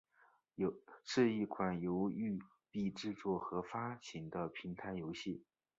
是一款由育碧制作和发行的平台游戏。